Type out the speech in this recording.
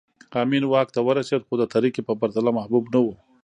امین واک ته ورسېد خو د ترکي په پرتله محبوب نه و